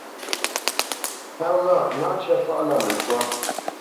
Páp ghâʼ: náʼ ncə́ pâʼlâ mə ntwâ.